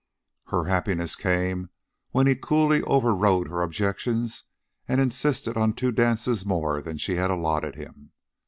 Her happiness came when he coolly overrode her objections and insisted on two dances more than she had allotted him.